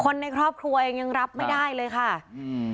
ในครอบครัวเองยังรับไม่ได้เลยค่ะอืม